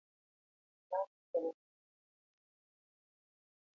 Mama okelona nang'a manyien